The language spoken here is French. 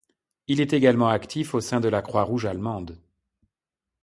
Il est également actif au sein de la Croix-Rouge allemande.